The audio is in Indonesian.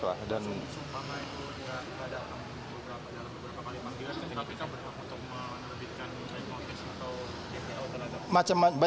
sumpah sumpah itu nggak ada dalam beberapa kali panggilan